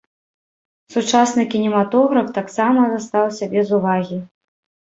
Сучасны кінематограф таксама застаўся без увагі.